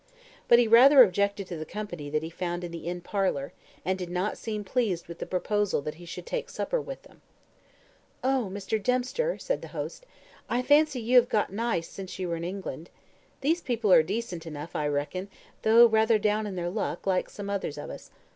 But he rather objected to the company that he found in the inn parlour, and did not seem pleased with the proposal that he should take supper with them. "Oh, Mr. Dempster," said the host, "I fancy you have got nice since you were in England. These people are decent enough, I reckon, though rather down in their luck, like some others of us.